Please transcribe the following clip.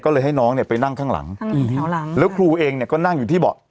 ก็เลยให้น้องเนี่ยไปนั่งข้างหลังแถวหลังแล้วครูเองเนี่ยก็นั่งอยู่ที่เบาะ